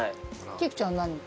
菊ちゃん何？